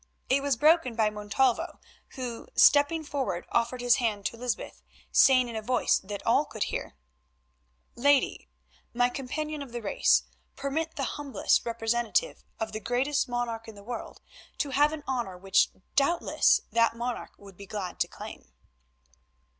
It was broken by Montalvo, who, stepping forward, offered his hand to Lysbeth, saying in a voice that all could hear: "Lady, my companion of the race, permit the humblest representative of the greatest monarch in the world to have an honour which doubtless that monarch would be glad to claim."